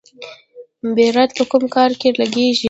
بیرایت په کوم کار کې لګیږي؟